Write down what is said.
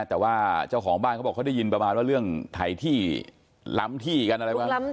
แต่ว่าเจ้าของบ้านเขาบอกเขาได้ยินประมาณว่าเรื่องถ่ายที่ล้ำที่กันอะไรบ้าง